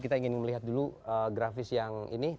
kita ingin melihat dulu grafis yang ini